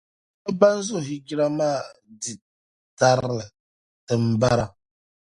Ninvuɣu shεba ban zo hijira maa di tarili din bara.